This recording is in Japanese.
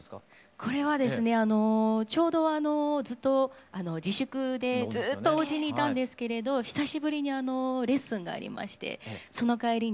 これはですねちょうどずっと自粛でずっとおうちにいたんですけれど久しぶりにレッスンがありましてその帰りに。